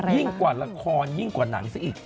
ยิ่งกว่าละครยิ่งกว่าหนังซะอีก